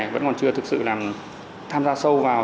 vẫn còn chưa thực sự tham gia sâu vào